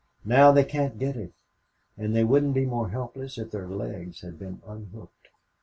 Now they can't get it and they wouldn't be more helpless if their legs had been unhooked.